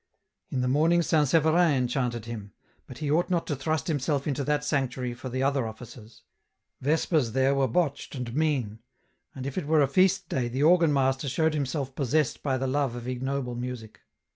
In the morning St. Severin enchanted him, but he ought not to thrust himself into that sanctuary for the other Offices. Vespers there were botched and mean ; and if it were a feast day the organ master showed himself possessed by the love of ignoble music.